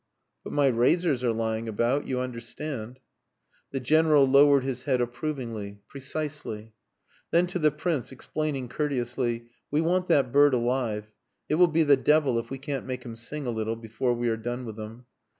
But my razors are lying about you understand." The General lowered his head approvingly. "Precisely." Then to the Prince, explaining courteously "We want that bird alive. It will be the devil if we can't make him sing a little before we are done with him."